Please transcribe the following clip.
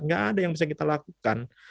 nggak ada yang bisa kita lakukan